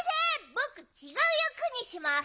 ぼくちがうやくにします。